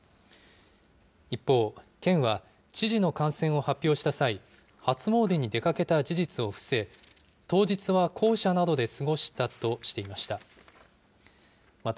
一方、県は知事の感染を発表した際、初詣に出かけた事実を伏せ、当日は公舎などで過ごしたとしていました。